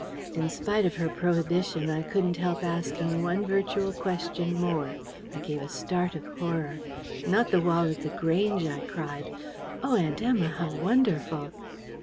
In spite of her prohibition, I couldn't help asking one virtual question more. I gave a start of horror: "Not the wall at The Grange!" I cried. "Oh, Aunt Emma, how wonderful!"